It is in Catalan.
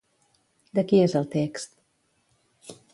De qui és el text?